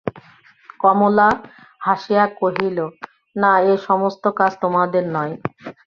কমলা হাসিয়া কহিল, না, এ-সমস্ত কাজ তোমাদের নয়।